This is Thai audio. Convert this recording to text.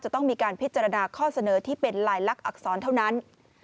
ต้องมีการพิจารณาข้อเสนอที่เป็นลายลักษณอักษรเท่านั้น